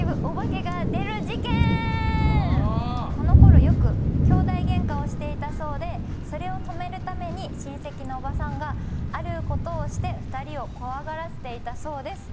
この頃よく兄妹ゲンカをしていたそうでそれを止めるために親戚のおばさんがあることをして２人を怖がらせていたそうです。